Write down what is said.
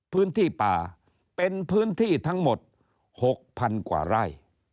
พื้นที่ป่าเป็นพื้นที่ทั้งหมด๖๐๐๐กว่าไร่